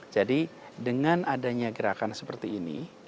jadi dengan adanya gerakan seperti ini